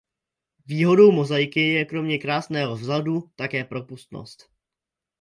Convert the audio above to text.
Výhodou mozaiky je kromě krásného vzhledu také propustnost.